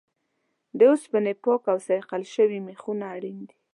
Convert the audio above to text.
د اوسپنې پاک او صیقل شوي میخونه اړین دي.